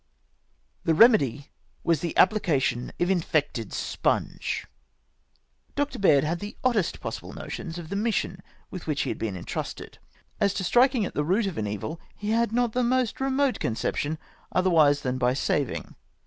The remedy was tlie application of infected sponge !! Dr. Baird had the oddest possible notions of the mission with which he was entrusted. As to striking at the root of an evil he had not the most remote conception, otherwise than by saving.